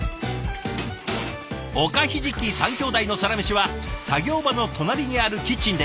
おかひじき３兄弟のサラメシは作業場の隣にあるキッチンで。